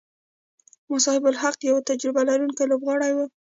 مصباح الحق یو تجربه لرونکی لوبغاړی وو.